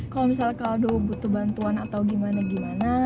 kalo misalnya kaldo butuh bantuan atau gimana gimana